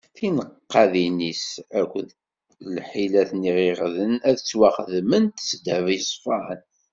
Tineqqadin-is akked lḥilat n iɣiɣden ad ttwaxedment s ddheb yeṣfan.